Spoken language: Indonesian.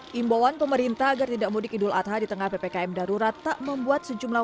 hai imbauan pemerintah agar tidak mudik idul adha di tengah ppkm darurat tak membuat sejumlah